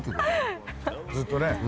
ずっとね。